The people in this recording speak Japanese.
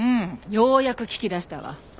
ようやく聞き出したわ。